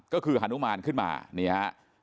ก็คือฮานุมานขึ้นมานี่ฮะ